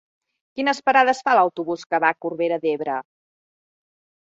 Quines parades fa l'autobús que va a Corbera d'Ebre?